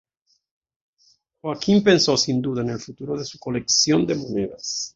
Joaquín pensó sin duda en el futuro de su colección de monedas.